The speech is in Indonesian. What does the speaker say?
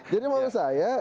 jadi maksud saya